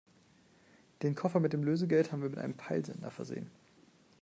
Den Koffer mit dem Lösegeld haben wir mit einem Peilsender versehen.